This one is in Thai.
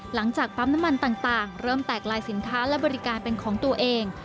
หลังจากปั๊มน้ำมันต่างเริ่มแตกลายสินค้าและบริการเป็นของตัวเอง